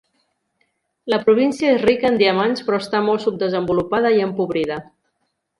La província és rica en diamants, però està molt subdesenvolupada i empobrida.